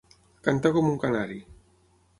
Cantar com un canari.